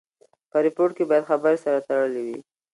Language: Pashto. په ریپورټ کښي باید خبري سره تړلې وي.